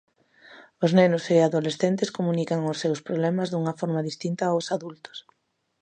Os nenos e os adolescentes comunican os seus problemas dunha forma distinta aos adultos.